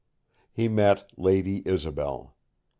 He met Lady Isobel.